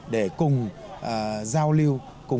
để cùng giao lưu